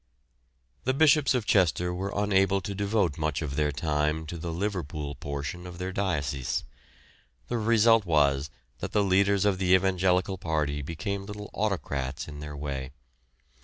The Bishops of Chester were unable to devote much of their time to the Liverpool portion of their diocese. The result was that the leaders of the evangelical party became little autocrats in their way.